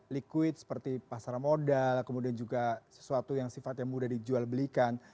liquid seperti pasara modal kemudian juga sesuatu yang sifat yang mudah dijual belikan